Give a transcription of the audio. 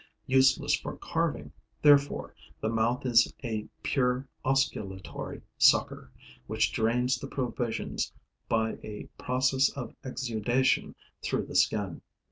Useless for carving, therefore, the mouth is a pure osculatory sucker, which drains the provisions by a process of exudation through the skin.